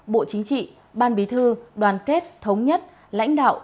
bộ chính trị ban bí thư đoàn kết thống nhất lãnh đạo